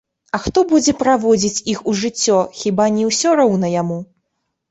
А хто будзе праводзіць іх у жыццё, хіба не ўсё роўна яму?